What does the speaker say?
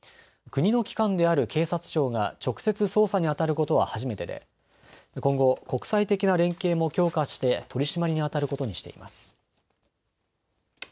国の機関である警察庁が直接捜査にあたることは初めてで今後、国際的な連携も強化して取締りにあたることにしています。